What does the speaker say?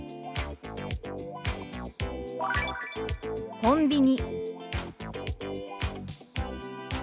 「コンビニ」。